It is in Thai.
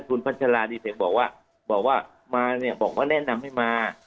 คุณพัชราดีเสกบอกว่าบอกว่ามาเนี่ยบอกว่าแนะนำให้มา